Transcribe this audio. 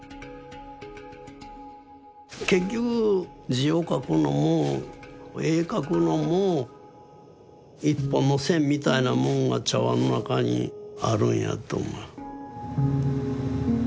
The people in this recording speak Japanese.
結局字を書くのも絵描くのも１本の線みたいなもんが茶碗の中にあるんやと思う。